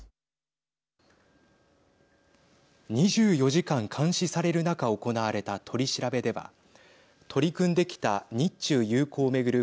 ２４時間監視される中行われた取り調べでは取り組んできた日中友好を巡る